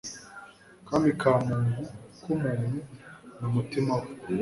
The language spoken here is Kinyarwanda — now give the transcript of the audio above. kami ka muntu [k'umuntu] ni umutima we